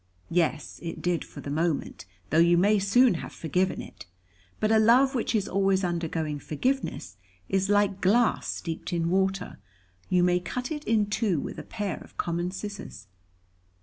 "Yes, it did for the moment, though you may soon have forgiven it. But a love which is always undergoing forgiveness, is like glass steeped in water, you may cut it in two with a pair of common scissors."